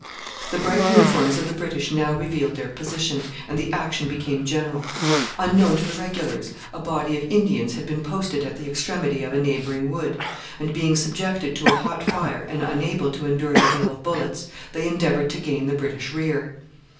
The bright uniforms of the British now revealed their position, and the action became general. Unknown to the regulars, a body of Indians had been posted at the extremity of a neighbouring wood, and; being subjected to a hot fire and unable to endure the hail of bullets, they endeavoured to gain the British rear.